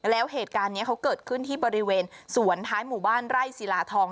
แล้วเหตุการณ์นี้เขาเกิดขึ้นที่บริเวณสวนท้ายหมู่บ้านไร่ศิลาทอง